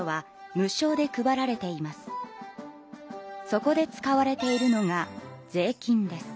そこで使われているのが税金です。